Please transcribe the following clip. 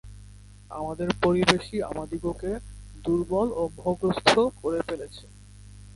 আমাদের পরিবেশই আমাদিগকে দুর্বল ও মোহগ্রস্থ করে ফেলেছে।